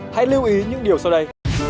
hãy lưu ý những điều sau đây